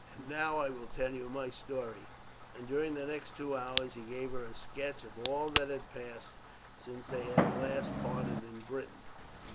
And now I will tell you my story;" and during the next two hours he gave her a sketch of all that had passed since they had last parted in Britain.